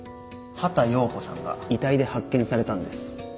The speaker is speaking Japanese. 畑葉子さんが遺体で発見されたんです